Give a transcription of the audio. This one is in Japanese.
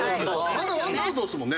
まだ１アウトですもんね。